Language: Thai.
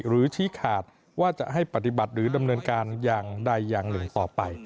ชี้ขาดว่าจะให้ปฏิบัติหรือดำเนินการอย่างใดอย่างหนึ่งต่อไป